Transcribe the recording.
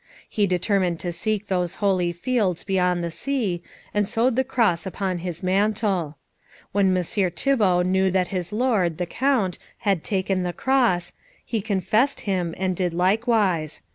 He determined to seek those holy fields beyond the sea, and sewed the Cross upon his mantle. When Messire Thibault knew that his lord, the Count, had taken the Cross, he confessed him, and did likewise.